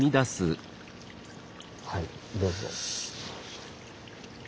はいどうぞ。